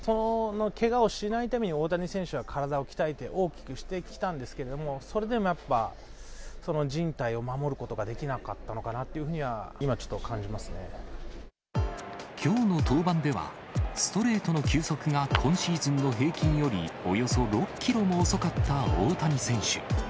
けがをしないために、大谷選手は体を鍛えて大きくしてきたんですけれども、それでもやっぱ、そのじん帯を守ることができなかったのかなっていうふうには、きょうの登板では、ストレートの球速が今シーズンの平均よりおよそ６キロも遅かった大谷選手。